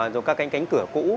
rồi các cái cánh cửa cũ